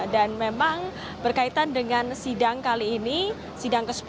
dan memang berkaitan dengan sidang kali ini sidang ke sepuluh